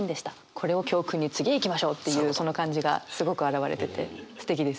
これを教訓に次へいきましょうっていうこの感じがすごく表れててすてきです。